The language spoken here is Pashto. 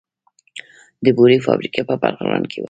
د بورې فابریکه په بغلان کې وه